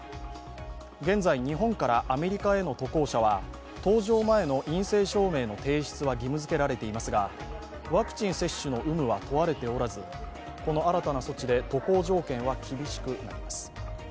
現在、日本からアメリカへの渡航者は搭乗前の陰性証明の提出は義務づけられていますがワクチン接種の有無は問われておらず、この新たな措置で渡航条件は厳しくなります。